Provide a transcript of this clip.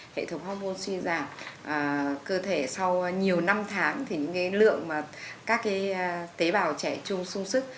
hệ thống hormôn suy giảm cơ thể sau nhiều năm tháng thì những lượng các tế bào trẻ trung sung sức